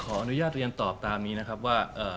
ขออนุญาตเรียนตอบตามนี้นะครับว่า